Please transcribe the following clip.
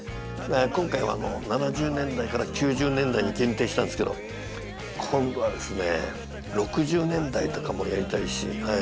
今回は７０年代から９０年代に限定したんですけど今度はですね６０年代とかもやりたいしはい。